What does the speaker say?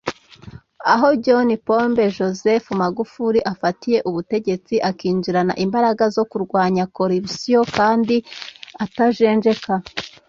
Aho John Pombe Joseph Magufuli afatiye ubutegetsi akinjirana imbaraga zo kurwanya corruption kandi atajenjeka